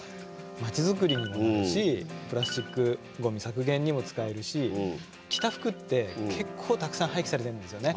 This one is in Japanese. まちづくりにもなるしプラスチックごみ削減にも使えるし着た服って結構たくさん廃棄されてんですよね。